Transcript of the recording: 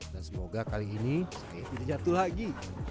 dan semoga kali ini saya tidak jatuh lagi